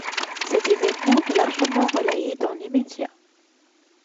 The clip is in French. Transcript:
Cet événement est largement relayé dans les médias.